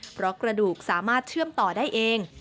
เพราะกระดูกสามารถเชื่อมต่อได้เอง